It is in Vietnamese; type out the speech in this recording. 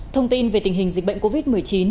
thông tin về tình hình dịch bệnh covid một mươi chín